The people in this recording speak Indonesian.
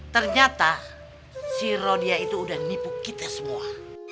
ternyata si rodiah itu udah nipu kita semua